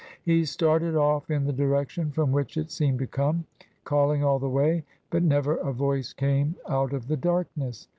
He started off in the direction from which it seemed to come, calling all the way, but never a voice came out of the darkness.